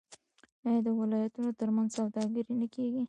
آیا د ولایتونو ترمنځ سوداګري نه کیږي؟